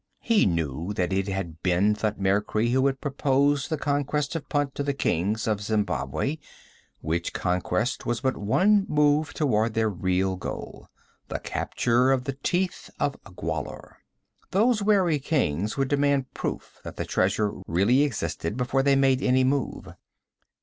He knew that it had been Thutmekri who had proposed the conquest of Punt to the kings of Zembabwei, which conquest was but one move toward their real goal the capture of the Teeth of Gwahlur. Those wary kings would demand proof that the treasure really existed before they made any move.